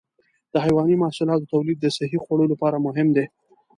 د حيواني محصولاتو تولید د صحي خوړو لپاره مهم دی.